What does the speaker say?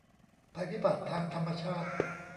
ภัยพิบัติทางธรรมชาติ